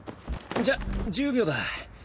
じゃあ１０秒だ。